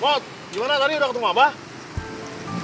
mot gimana tadi udah ketemu abah